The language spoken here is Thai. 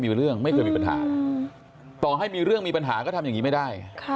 มีเรื่องไม่เคยมีปัญหาต่อให้มีเรื่องมีปัญหาก็ทำอย่างนี้ไม่ได้